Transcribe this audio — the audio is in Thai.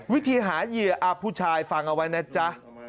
วิธีหาเหยื่อผู้ชายฟังเอาไว้นะจ๊ะ